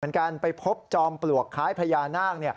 กันไปพบจอมปลวกคล้ายพญานาค